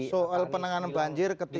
soal penanganan banjir ketika